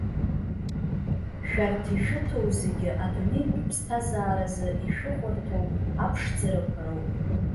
Шәарҭ ишәыҭоу зегьы, адунеитә ԥсҭазааразы ишәыхәарҭоу аԥшӡарақәа роуп.